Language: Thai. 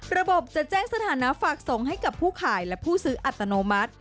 ระบบจะแจ้งสถานะฝากส่งให้กับผู้ขายและผู้ซื้ออัตโนมัติ